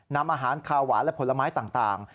นำอาหารคาวหวานและผลไม้ต่าง